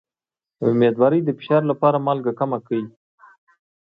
د امیدوارۍ د فشار لپاره مالګه کمه کړئ